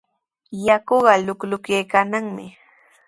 Yakuqa luqluqyaykannami.